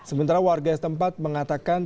sementara warga tempat mengatakan